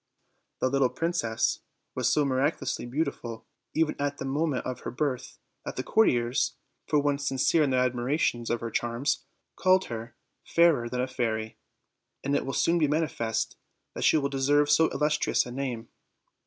The little princess was so miraculously beautiful, even at the moment of her birth, that the courtiers, for once sincere in their admira tion of her charms, called her Fairer than a Fairy, and it will soon be manifest that she well deserved so illustrious a name.